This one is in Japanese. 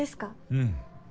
うん。